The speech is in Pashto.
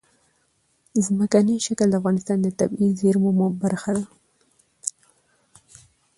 ځمکنی شکل د افغانستان د طبیعي زیرمو برخه ده.